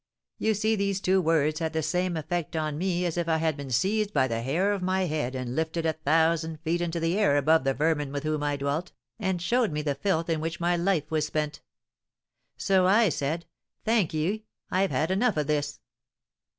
you see these two words had the same effect on me as if I had been seized by the hair of my head and lifted a thousand feet into the air above the vermin with whom I dwelt, and showed me the filth in which my life was spent. So I said, 'Thank ye, I've had enough of this!'